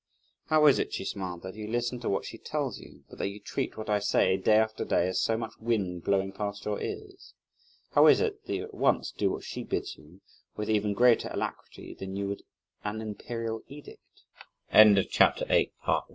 "How is it," she smiled, "that you listen to what she tells you, but that you treat what I say, day after day, as so much wind blowing past your ears! How is it that you at once do what she bids you, with even greater alacrity than you would an imperial edict?" When Pao yü heard this, he f